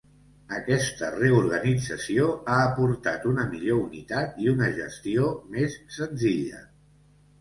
Aquesta reorganització ha aportat una millor unitat i una gestió més senzilla.